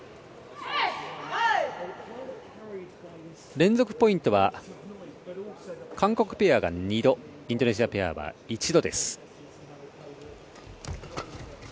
連続ポイントは韓国ペアが２度インドネシアペアは１度です。